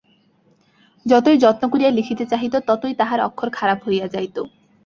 যতই যত্ন করিয়া লিখিতে চাহিত, ততই তাহার অক্ষর খারাপ হইয়া যাইত।